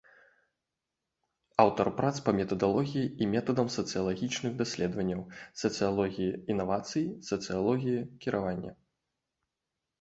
Аўтар прац па метадалогіі і метадам сацыялагічных даследаванняў, сацыялогіі інавацый, сацыялогіі кіравання.